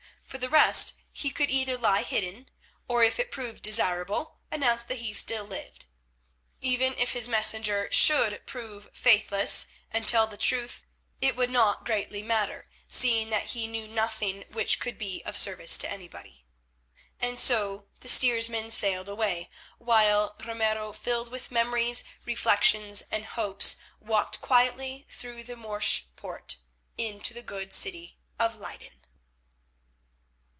For the rest he could either lie hidden, or if it proved desirable, announce that he still lived. Even if his messenger should prove faithless and tell the truth, it would not greatly matter, seeing that he knew nothing which could be of service to anybody. And so the steersman sailed away, while Ramiro, filled with memories, reflections, and hopes, walked quietly through the Morsch Poort into the good city of Leyden.